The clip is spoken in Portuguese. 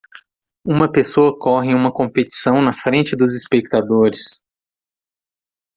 Uma pessoa corre em uma competição na frente dos espectadores.